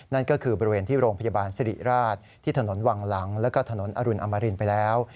นั่นก็คือบริเวณที่โรงพยาบาลสิริราชที่ถนนวังหลังแล้วก็ถนนอรุณอมรินไปแล้ว